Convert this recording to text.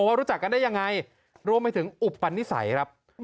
ว่ารู้จักกันได้ยังไงรวมไปถึงอุปนิสัยครับ